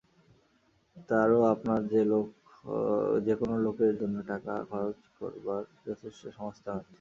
তার ও আপনার যে-কোন লোকের জন্য টাকা খরচ করবার যথেষ্ট সংস্থান রয়েছে।